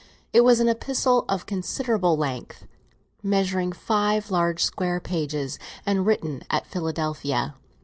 It was an epistle of considerable length, measuring five large square pages, and written at Philadelphia.